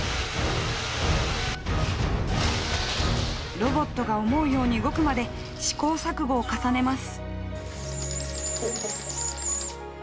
ロボットが思うように動くまで試行錯誤を重ねます。